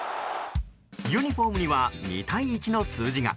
ユニホームには２対１の数字が。